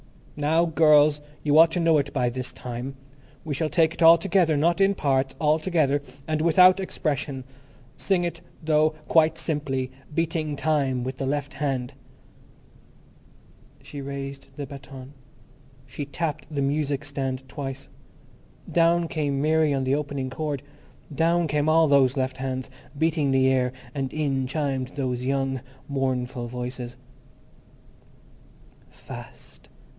Now, girls, you ought to know it by this time. We shall take it all together; not in parts, all together. And without expression. Sing it, though, quite simply, beating time with the left hand." She raised the baton; she tapped the music stand twice. Down came Mary on the opening chord; down came all those left hands, beating the air, and in chimed those young, mournful voices:— Fast!